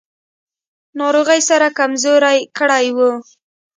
ناروغۍ سره کمزوری کړی و.